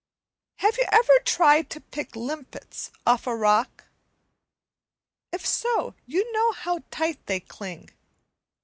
Have you ever tried to pick limpets off a rock? If so, you know how tight they cling.